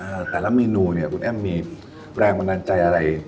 แต่ละเมนูเนี้ยคุณแอ้มมีแรงบันดาลใจอะไร